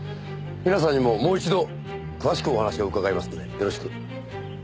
皆さんにももう一度詳しくお話を伺いますのでよろしく。